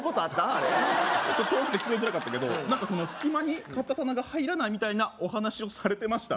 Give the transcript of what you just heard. あれ遠くて聞こえづらかったけど隙間に買った棚が入らないみたいなお話をされてました？